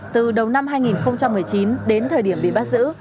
từ đầu năm hai nghìn một mươi chín đến thời điểm bị bắt giữ